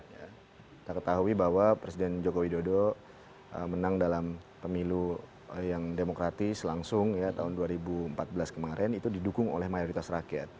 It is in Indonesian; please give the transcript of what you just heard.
kita ketahui bahwa presiden joko widodo menang dalam pemilu yang demokratis langsung ya tahun dua ribu empat belas kemarin itu didukung oleh mayoritas rakyat